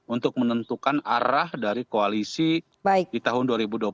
untuk menentukan arah dari koalisi di tahun dua ribu dua puluh empat